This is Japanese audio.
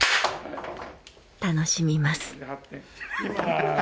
楽しみます。